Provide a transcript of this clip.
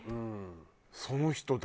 その人だ。